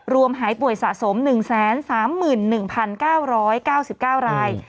หายป่วยสะสม๑๓๑๙๙๙ราย